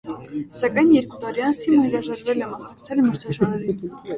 Սակայն երկու տարի անց թիմը հրաժարվել է մասնակցել մրցաշարերին։